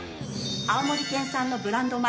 青森県産のブランド米